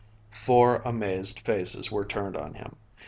Four amazed faces were turned on him.